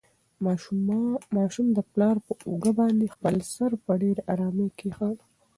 ماشوم د پلار په اوږه باندې خپل سر په ډېرې ارامۍ کېښود.